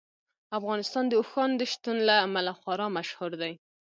افغانستان د اوښانو د شتون له امله خورا مشهور دی.